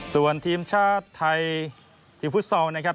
ส่วนทีมชาติไทยทีมฟุตซอลนะครับ